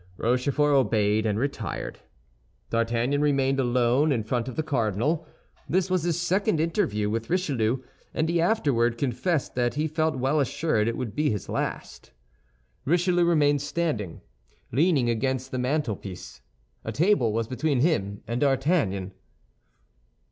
Rochefort obeyed and retired. D'Artagnan remained alone in front of the cardinal; this was his second interview with Richelieu, and he afterward confessed that he felt well assured it would be his last. Richelieu remained standing, leaning against the mantelpiece; a table was between him and D'Artagnan.